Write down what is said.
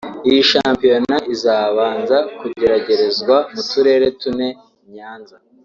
Iyi shampiyona izabanza kugeragerezwa mu turere tune Nyanza